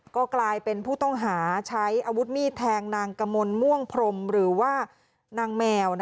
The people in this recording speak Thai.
ก็กลายเป็นผู้ต้องหาใช้อาวุธมีดแทงนางกมลม่วงพรมหรือว่านางแมว